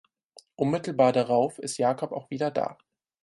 Unmittelbar darauf ist Jakob auch wieder da.